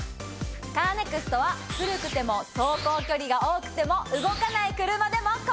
カーネクストは古くても走行距離が多くても動かない車でも。